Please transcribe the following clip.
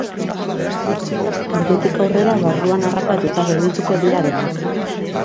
Ordutik aurrera, barruan harrapatuta geldituko dira denak.